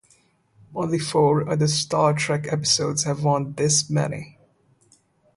Only four other "Star Trek" episodes have won this many.